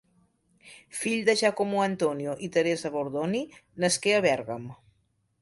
Fil de Giacomo Antonio i Teresa Bordoni, nasqué a Bèrgam.